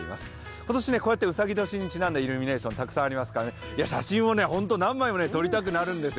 今年、うさぎ年にちなんだイルミネーションがたくさんありますから写真を何枚も撮りたくなるんですよ。